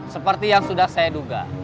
seperti yang sudah saya duga